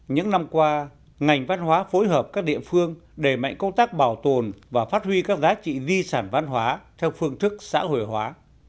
những năm qua ngành văn hóa phối hợp các địa phương đẩy mạnh công tác bảo tồn và phát huy các giá trị di sản văn hóa theo phương thức xã hội hóa